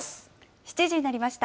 ７時になりました。